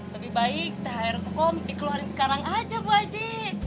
lebih baik thr hukum dikeluarin sekarang aja bu haji